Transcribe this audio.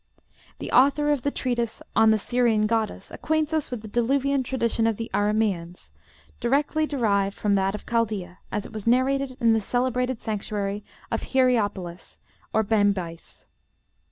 The author of the treatise "On the Syrian Goddess" acquaints us with the diluvian tradition of the Arameans, directly derived from that of Chaldea, as it was narrated in the celebrated Sanctuary of Hierapolis, or Bambyce.